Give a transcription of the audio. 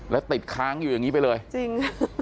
แล้วติดค้างอยู่อย่างนี้ไปเลยจริง